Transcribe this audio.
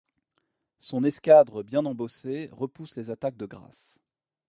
Son escadre bien embossée repousse les attaques de Grasse.